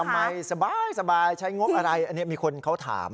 สบายใช้งบอะไรอันนี้มีคนเขาถาม